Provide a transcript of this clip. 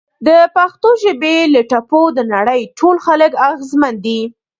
د پښتو ژبې له ټپو د نړۍ ټول خلک اغیزمن دي!